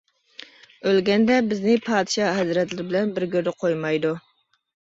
ئۆلگەندە بىزنى پادىشاھ ھەزرەتلىرى بىلەن بىر گۆردە قويمايدۇ.